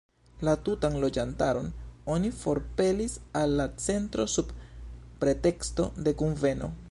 La tutan loĝantaron oni forpelis al la centro sub preteksto de kunveno.